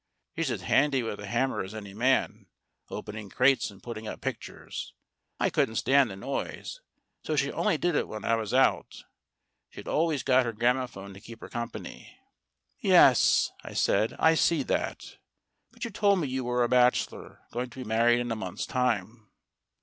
She's as handy with a hammer as any man opening crates and putting up pictures. I couldn't stand the noise, so she only did it when I was out she'd always got her gramophone to keep her company." "Yes," I said; "I see that. But you told me you were a bachelor, going to be married in a month's time."